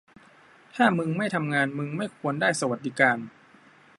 ถ้ามึงไม่ทำงานมึงไม่ควรได้สวัสดิการ